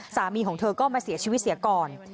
สามีของเธอก็มาเสียชีวิตเสียก่อน